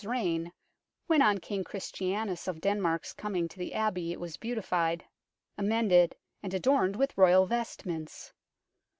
's reign, when on King Christianus of Denmark coming to the Abbey it was beautified, amended, and adorned with Royal vestments.